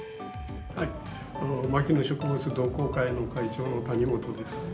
牧野植物同好会の会長の谷本です。